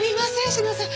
志乃さん